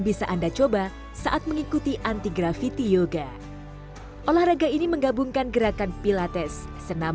bisa anda coba saat mengikuti anti grafiti yoga olahraga ini menggabungkan gerakan pilates senam